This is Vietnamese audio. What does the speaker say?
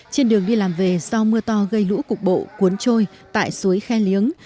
trên đường đi làm về do mưa to gây lũ cục bộ cuốn trôi tại suối khe liếng